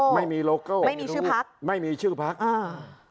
ไม่มีโลโก้ไม่มีชื่อพักไม่มีชื่อพักอ่า